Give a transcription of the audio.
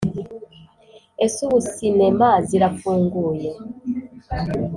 ese ubu sinema zirafunguye